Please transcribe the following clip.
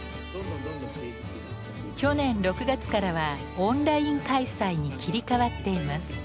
去年６月からはオンライン開催に切り替わっています。